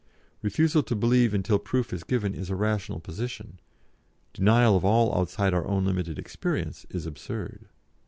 Refusal to believe until proof is given is a rational position; denial of all outside of our own limited experience is absurd.